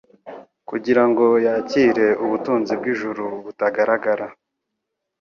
kugira ngo yakire ubutunzi bw'ijuru butagaragara,